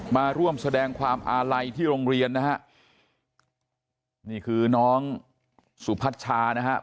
มาร่วมแสดงความอาลัยที่โรงเรียนนะฮะนี่คือน้องสุพัชชานะครับ